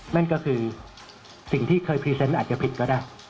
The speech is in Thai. นั่นก็คือสิ่งที่เคยพรีเซนต์อาจจะผิดก็ได้